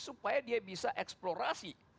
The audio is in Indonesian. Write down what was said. supaya dia bisa eksplorasi